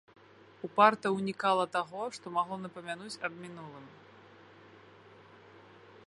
Упарта ўнікала таго, што магло напамянуць аб мінулым.